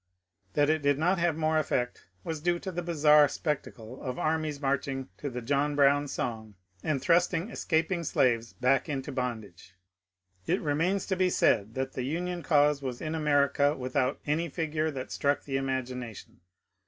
That it did not have more effect was due to the bizarre specta cle of armies marching to the John Brown song and thrust ing escaping slaves back into bondage. It remains to be said that the Union cause was in America without any figure that struck the imagination.